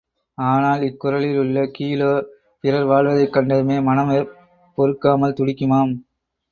ஆனால் இக் குறளில் உள்ள கீழோ, பிறர் வாழ்வதைக் கண்டதுமே மனம் பொறுக்காமல் துடிக்குமாம்.